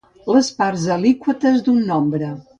Les parts alíquotes d'un nombre.